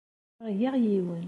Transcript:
Ẓergeɣ yiwen.